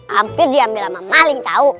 hampir diambil sama maling tahu